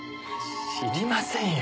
知りませんよ。